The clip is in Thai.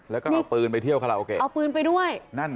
แล้วก็เอาปืนไปเที่ยวคาราโอเกะเอาปืนไปด้วย